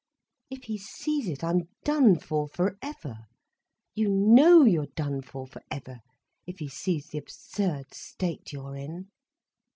If he sees it I'm done for forever—you know you're done for forever, if he sees the absurd state you're in."